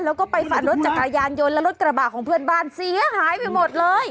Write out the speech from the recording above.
แล้วก็ไปฟันรถจักรยานยนต์และรถกระบะของเพื่อนบ้านเสียหายไปหมดเลย